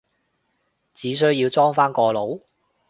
只需要裝返個腦？